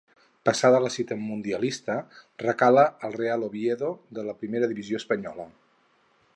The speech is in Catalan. Passada la cita mundialista, recala al Real Oviedo, de la primera divisió espanyola.